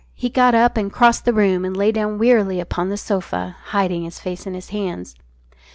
He got up and crossed the room and lay down wearily upon the sofa, hiding his face in his hands.